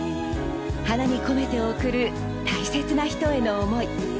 花に込めて贈る大切な人への思い。